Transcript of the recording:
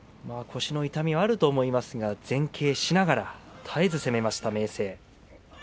明生腰の痛みはあると思いますが前傾姿勢で絶えず攻めました。